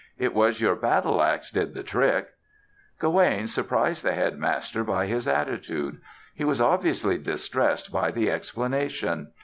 It was your battle ax did the trick." Gawaine surprised the Headmaster by his attitude. He was obviously distressed by the explanation.